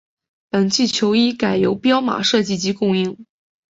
本季球衣改由彪马设计及供应。